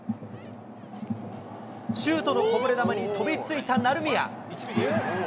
シュートのこぼれ球に飛びついた成宮。